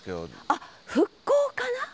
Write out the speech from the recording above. あっ復興かな？